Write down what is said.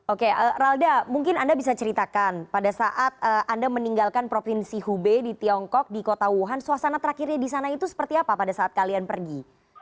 oke ralda mungkin anda bisa ceritakan pada saat anda meninggalkan provinsi hubei di tiongkok di kota wuhan suasana terakhirnya di sana itu seperti apa pada saat kalian pergi